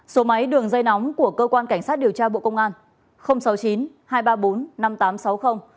số máy đường dây nóng của cơ quan cảnh sát điều tra bộ công an